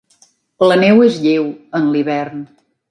La neu és lleu en l'hivern.